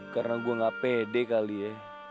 karena gue gak pede kali ya